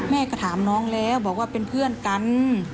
แม่ก็ถามน้องแล้วบอกว่าเป็นเพื่อนกัน